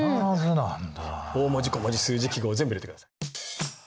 大文字小文字数字記号全部入れてください。